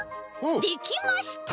できました！